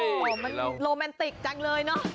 โอ้โหมันโรแมนติกจังเลยเนอะ